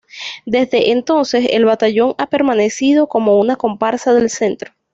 Desde entonces el batallón ha permanecido como una comparsa del "centro".